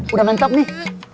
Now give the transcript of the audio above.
udah mantap nih